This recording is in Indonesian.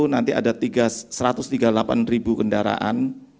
nanti ada satu ratus tiga puluh delapan ribu kendaraan